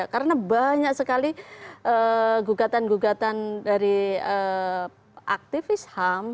karena banyak sekali gugatan gugatan dari aktivitas